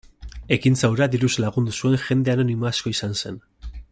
Ekintza hura diruz lagundu zuen jende anonimo asko izan zen.